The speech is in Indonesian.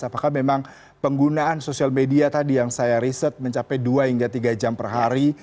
apakah memang penggunaan sosial media tadi yang saya riset mencapai dua hingga tiga jam per hari